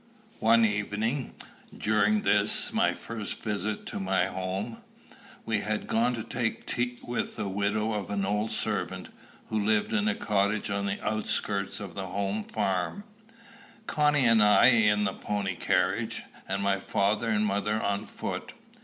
One evening, during this my first visit to my home, we had gone to take tea with the widow of an old servant, who lived in a cottage on the outskirts of the home farm, Connie and I in the pony carriage, and my father and mother on foot.